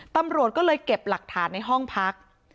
ตำรวจก็เลยเก็บหลักฐานในห้องพัก